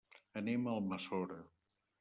Anem a Almassora.